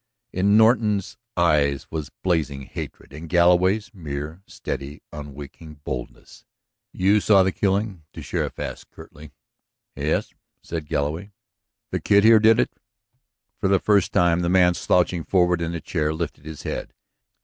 In Norton's eyes was blazing hatred, in Galloway's mere steady, unwinking boldness. "You saw the killing?" the sheriff asked curtly. "Yes," said Galloway. "The Kid there did it?" For the first time the man slouching forward in the chair lifted his head.